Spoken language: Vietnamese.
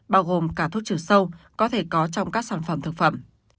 bao gồm cả thuốc trừ sâu có thể có trong các sản phẩm thực phẩm